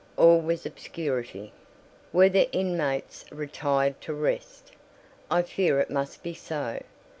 All was obscurity. Were the inmates retired to rest? I feared it must be so.